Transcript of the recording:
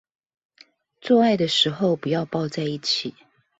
做愛的時候不要抱在一起